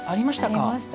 ありました。